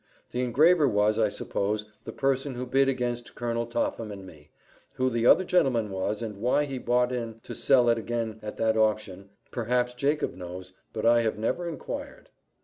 The engraver was, I suppose, the person who bid against Colonel Topham and me; who the other gentleman was, and why he bought in to sell it again at that auction, perhaps Jacob knows, but I have never inquired."